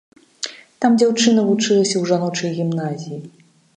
Там дзяўчына вучылася ў жаночай гімназіі.